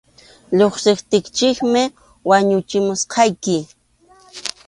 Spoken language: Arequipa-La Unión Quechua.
Lluqsiptinchikmi wañuchimusqayki.